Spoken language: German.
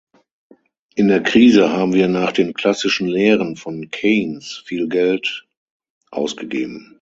In der Krise haben wir nach den klassischen Lehren von Keynes viel Geld ausgegeben.